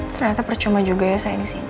ternyata percuma juga ya saya disini